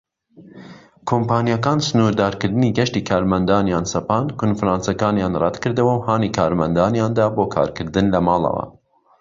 کۆمپانیاکان سنوردارکردنی گەشتی کارمەندانیان سەپاند، کۆنفرانسەکانیان ڕەتکردەوە، و هانی کارمەندانیاندا بۆ کارکردن لە ماڵەوە.